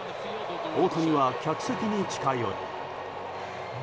大谷は客席に近寄り。